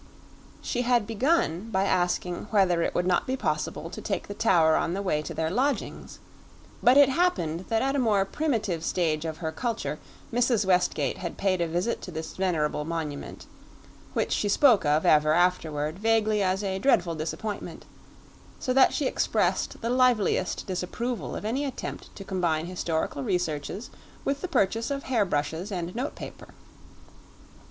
She had begun by asking whether it would not be possible to take the Tower on the way to their lodgings; but it happened that at a more primitive stage of her culture Mrs. Westgate had paid a visit to this venerable monument, which she spoke of ever afterward vaguely as a dreadful disappointment; so that she expressed the liveliest disapproval of any attempt to combine historical researches with the purchase of hairbrushes and notepaper.